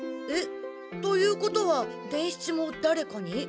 えっということは伝七もだれかに？